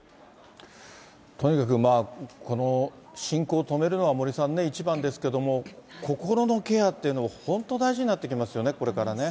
とにかくこの侵攻を止めるのが森さんね、一番ですけども、心のケアっていうの、本当大事になってきますよね、これからね。